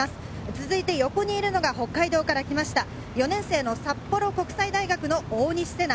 続いて横にいるのが北海道から来ました、４年生の札幌国際大学・大西世那。